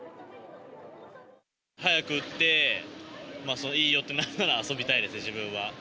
早く打って、もういいよってなるなら、遊びたいですね、自分は。